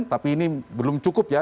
tapi ini belum cukup ya